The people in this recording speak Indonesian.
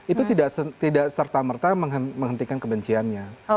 itu tidak serta merta menghentikan kebenciannya